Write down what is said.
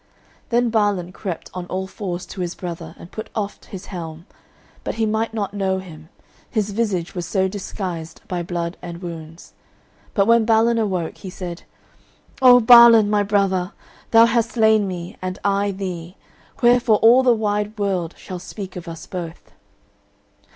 Then Balan crept on all fours to his brother and put oft his helm, but he might not know him, his visage was so disguised by blood and wounds. But when Balin awoke, he said, "O Balan, my brother, thou hast slain me and I thee, wherefore all the wide world shall speak of us both."